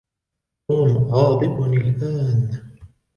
توم غاضب الآن.